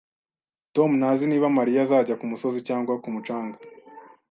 Tom ntazi niba Mariya azajya kumusozi cyangwa ku mucanga